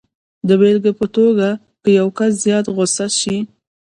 د بېلګې په توګه که یو کس زیات غسه شي